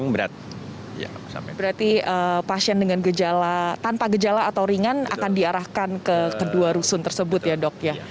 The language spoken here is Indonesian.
berarti pasien dengan gejala tanpa gejala atau ringan akan diarahkan ke kedua rusun tersebut ya dok ya